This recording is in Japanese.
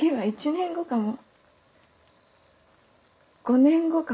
５年後かも。